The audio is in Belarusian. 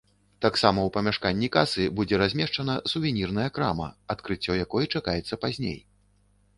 Таксама ў памяшканні касы будзе размешчана сувенірная крама, адкрыццё якой чакаецца пазней.